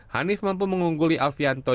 hanif mampu mengungguli alfian tobagas